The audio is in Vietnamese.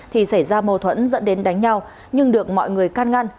thì xảy ra mâu thuẫn dẫn đến đánh nhau nhưng được mọi người can ngăn